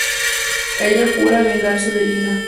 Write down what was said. Ella jura vengarse de Elina.